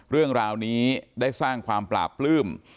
เรื่องราวนี้ได้สร้างความปราบปลื้ม